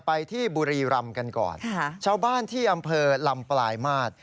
ไปที่บุรีรำกันก่อนชาวบ้านที่อำเภอลำปลายมาตร